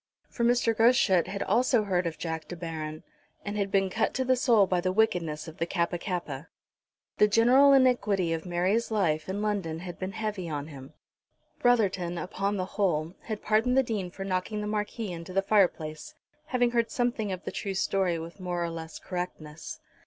For Mr. Groschut had also heard of Jack De Baron, and had been cut to the soul by the wickedness of the Kappa kappa. The general iniquity of Mary's life in London had been heavy on him. Brotherton, upon the whole, had pardoned the Dean for knocking the Marquis into the fireplace, having heard something of the true story with more or less correctness.